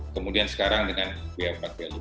kemudian sekarang dengan b empat b lima